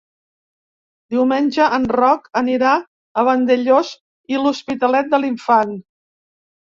Diumenge en Roc anirà a Vandellòs i l'Hospitalet de l'Infant.